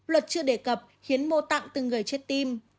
luật chưa đề cập hiến mô tạng từ người chết tim